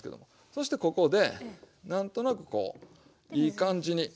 そしてここで何となくこういい感じに。